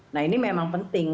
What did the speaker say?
nah ini memang penting